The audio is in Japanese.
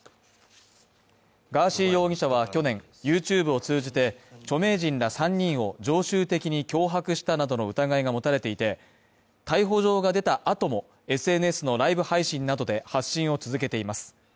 ガーシー容疑者は去年、ＹｏｕＴｕｂｅを通じて、著名人ら３人を常習的に脅迫したなどの疑いが持たれていて、逮捕状が出た後もＳＮＳのライブ配信などで発信を続けています。